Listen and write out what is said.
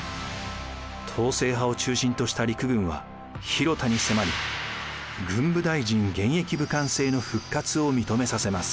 統制派を中心とした陸軍は広田に迫り軍部大臣現役武官制の復活を認めさせます。